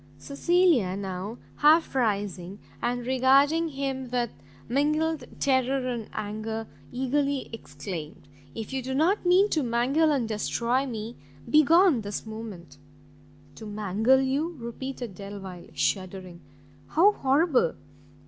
Cecilia now, half rising, and regarding him with mingled terror and anger, eagerly exclaimed, "If you do not mean to mangle and destroy me, begone this instant." "To mangle you!" repeated Delvile, shuddering, "how horrible!